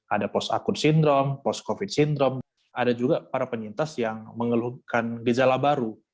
ada post akun sindrom post covid syndrom ada juga para penyintas yang mengeluhkan gejala baru